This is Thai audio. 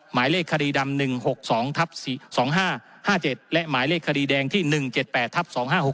หมายเลขคดีดำ๑๖๒๒๕๕๗และหมายเลขคดีแดงที่๑๗๘ทับ๒๕๖๖